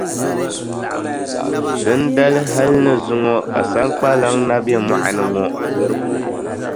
Dindali hali ni zuŋɔ ka Saŋkpaliŋ na be mɔɣu ni ŋɔ.